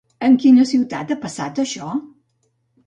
En quina ciutat ha passat això?